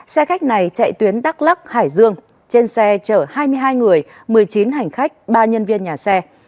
xe khách này chạy tuyến đắk lắc hải dương trên xe chở hai mươi hai người một mươi chín hành khách ba nhân viên nhà xe